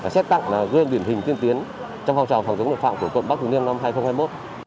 xét tặng gương điển hình tiên tiến trong phong trào phòng chống lực phạm của quận bắc thứ liêm năm hai nghìn hai mươi một